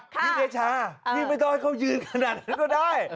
พี่เดชาพี่ไม่ต้องให้เขายืนขนาดนั้นก็ได้